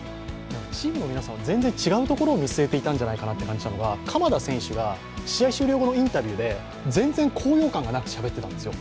チームの皆さんは全然違うところを見据えていたのかなと感じたのが、鎌田選手が試合後のインタビューで全然、高揚感がなくしゃべっていたんですよ。